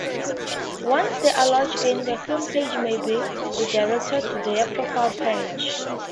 Once they are logged in, the homepage may be redirected to their profile page.